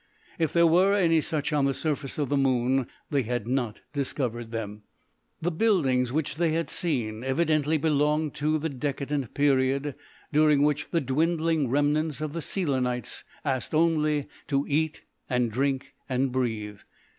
If there were any such on the surface of the moon they had not discovered them. The buildings which they had seen evidently belonged to the decadent period during which the dwindling remnants of the Selenites asked only to eat and drink and breathe.